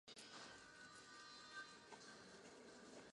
另外有医务室等等。